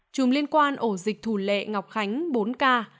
chùm liên quan ổ dịch thủ lệ ngọc khánh bốn ca